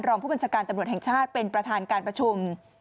รองผู้บัญชาการตำรวจแห่งชาติเป็นประธานการประชุม